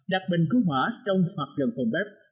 ba đặt bình cứu hỏa trong hoặc gần phòng bếp